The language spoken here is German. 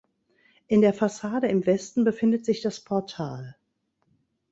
In der Fassade im Westen befindet sich das Portal.